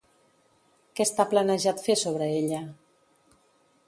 Què està planejat fer sobre ella?